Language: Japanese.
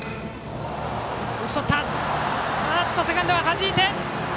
セカンドはじいた！